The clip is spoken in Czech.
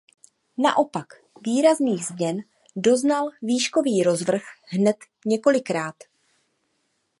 Naopak výrazných změn doznal výškový rozvrh hned několikrát.